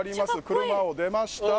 車を出ました